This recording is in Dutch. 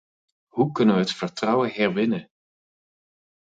Hoe kunnen we het vertrouwen herwinnen?